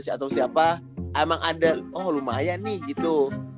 atau siapa emang ada oh lumayan nih gitu